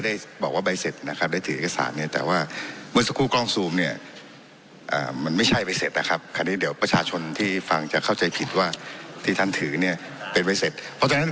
ได้ขอเอกสารที่ท่านภูมิปลายเนี่ยได้ตรวจสอบด้วยนะครับ